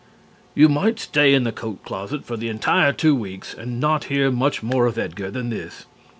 You might stay in the coat closet for the entire two weeks and not hear much more of Edgar than this.